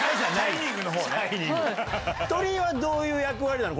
鳥居はどういう役割なの？